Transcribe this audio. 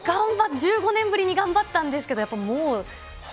１５年ぶりに頑張ったんです